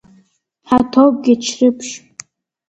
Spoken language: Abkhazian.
Ҳаҭоуп Гьечрыԥшь.